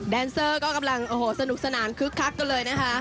เซอร์ก็กำลังโอ้โหสนุกสนานคึกคักกันเลยนะคะ